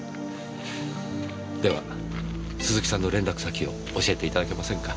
では鈴木さんの連絡先を教えていただけませんか？